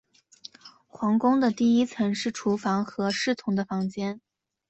皇宫的第一层是厨房和侍从的房间。